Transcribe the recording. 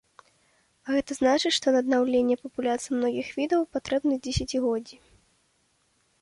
А гэта значыць, што на аднаўленне папуляцый многіх відаў патрэбныя дзесяцігоддзі.